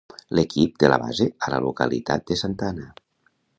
L'equip té la base a la localitat de Santana.